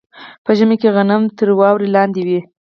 په ژمي کې غنم تر واورې لاندې وي.